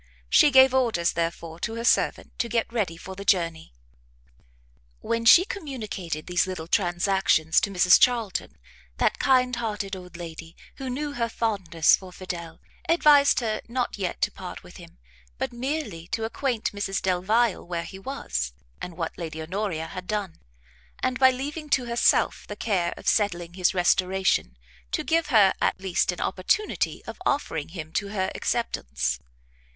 She gave orders, therefore, to her servant to get ready for the journey. When she communicated these little transactions to Mrs Charlton, that kind hearted old lady, who knew her fondness for Fidel, advised her not yet to part with him, but merely to acquaint Mrs Delvile where he was, and what Lady Honoria had done, and, by leaving to herself the care of settling his restoration, to give her, at least, an opportunity of offering him to her acceptance.